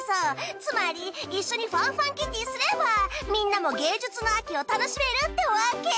つまり一緒に『ファンファンキティ！』すればみんなも芸術の秋を楽しめるってわけ。